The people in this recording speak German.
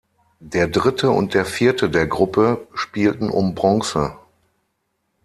Der Dritte und der Vierte der Gruppe spielten um Bronze.